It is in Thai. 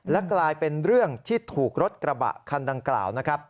และกลายเป็นเรื่องที่ถูกรถกระบะคันดังกล่าวนะครับ